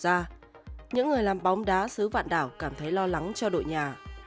ngoài ra những người làm bóng đá xứ vạn đảo cảm thấy lo lắng cho đội nhà